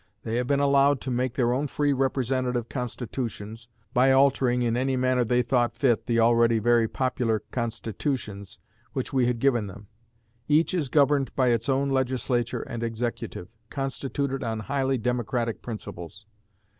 They have been allowed to make their own free representative constitutions by altering in any manner they thought fit the already very popular constitutions which we had given them. Each is governed by its own Legislature and executive, constituted on highly democratic principles.